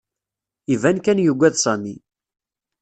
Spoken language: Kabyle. Iban kan yuggad Sami.